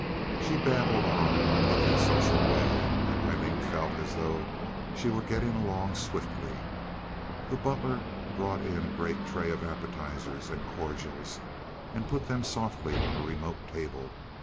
She babbled on in a puffy social way, and Aileen felt as though she were getting along swiftly. The butler brought in a great tray of appetizers and cordials, and put them softly on a remote table.